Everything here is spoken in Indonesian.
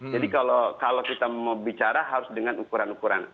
jadi kalau kita mau bicara harus dengan ukuran ukuran